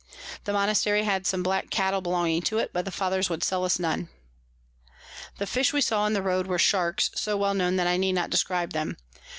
The Monastery had some black Cattel belonging to it, but the Fathers would sell us none. The Fish we saw in the Road were Sharks, so well known that I need not describe them. 2.